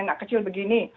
anak kecil begini